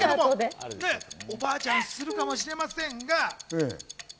おばあちゃん、するかもしれませんが。